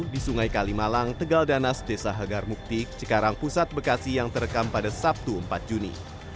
di sungai kalimalang tegal danas desa hagar muktik cikarang pusat bekasi yang terekam pada sabtu empat juni